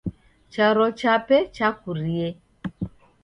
Charo chape chakurie.